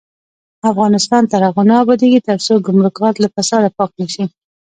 افغانستان تر هغو نه ابادیږي، ترڅو ګمرکات له فساده پاک نشي.